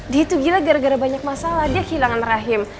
di itu gila gara gara banyak masalah dia kehilangan rahim